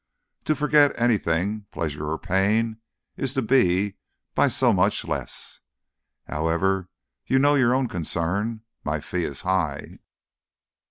"To forget anything pleasure or pain is to be, by so much less. However, you know your own concern. My fee is high."